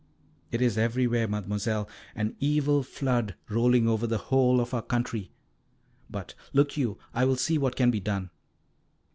"It is everywhere, Mademoiselle an evil flood, rolling over the whole of our country. But, look you, I will see what can be done."